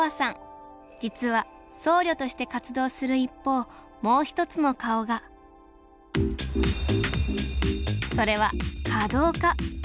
実は僧侶として活動する一方もう一つの顔がそれは華道家。